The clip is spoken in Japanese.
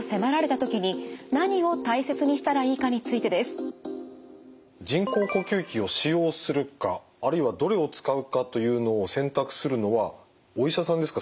最後にご紹介するのは人工呼吸器を使用するかあるいはどれを使うかというのを選択するのはお医者さんですか？